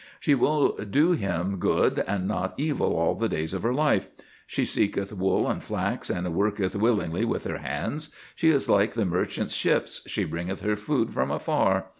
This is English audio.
She will do him good and not evil all the days of her life. She seeketh wool, and flax, and worketh willingly with her hands. She is like the merchants' ships; she bringeth her food from afar.